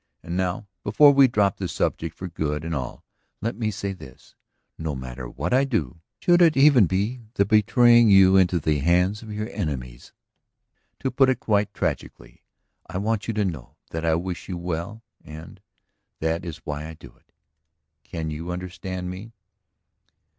And now, before we drop the subject for good and all, let me say this: no matter what I do, should it even be the betraying you into the hands of your enemies, to put it quite tragically, I want you to know that I wish you well and that is why I do it. Can you understand me?"